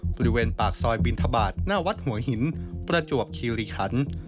บริเวณปากซอยบินทบาทหน้าวัดหัวหินประจวบคิริคัน